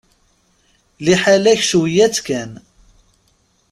Liḥala-k, cwiya-tt kan.